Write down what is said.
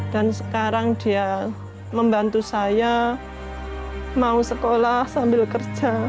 dan sekarang dia membantu saya mau sekolah sambil kerja